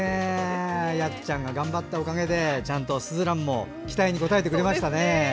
ヤッチャンが頑張ったおかげでちゃんとすずらんも期待に応えてくれましたね。